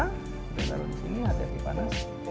kita taruh di sini hati hati panas